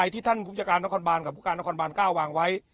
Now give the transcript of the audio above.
ที่ท่านผู้จัยการผู้การการบานกล้าววางไว้